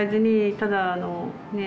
ただあのねえ